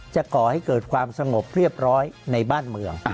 ก่อให้เกิดความสงบเรียบร้อยในบ้านเมือง